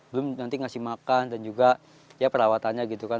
belum nanti ngasih makan dan juga ya perawatannya gitu kan